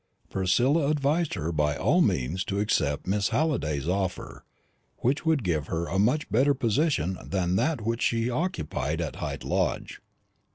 Priscilla advised her by all means to accept Miss Halliday's offer, which would give her a much better position than that which she occupied at Hyde Lodge.